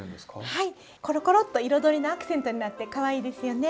はいころころっと彩りのアクセントになってかわいいですよね。